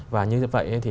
và như vậy thì